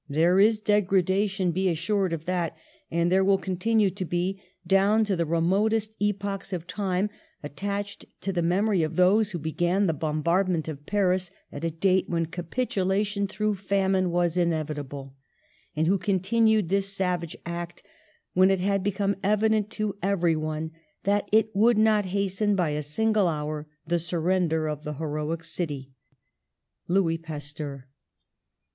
There is degradation, be assured of that, and there will continue to be, down to the remotest epochs of time, attached to the memory of those who began the bombardment of Paris at a date when capitulation through famine was inevitable, and who continued this savage act when it had be come evident to everyone that it would not hasten by a single hour the surrender of the heroic city, *' Louis Pasteur."